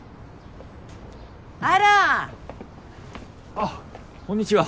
あこんにちは。